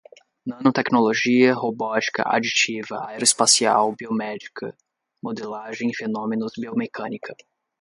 Nanotecnologia, robótica, aditiva, aeroespacial, biomédica, modelagem, fenômenos, biomecânica